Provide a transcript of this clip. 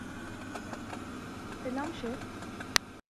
Selam, şef.